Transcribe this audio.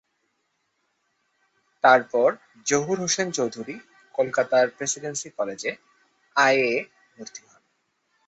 তারপর জহুর হোসেন চৌধুরী কলকাতার প্রেসিডেন্সি কলেজে আইএ ভর্তি হন।